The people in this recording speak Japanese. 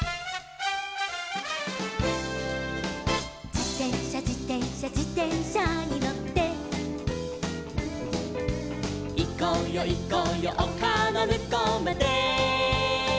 「じてんしゃじてんしゃじてんしゃにのって」「いこうよいこうよおかのむこうまで」